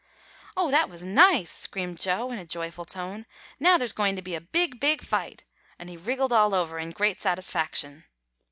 "Oh, that was nice!" screamed Joe, in a joyful tone. "Now there's going to be a big, big fight;" and he wriggled all over in great satisfaction.